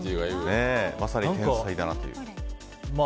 まさに天才だなという。